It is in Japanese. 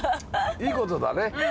いいことだね。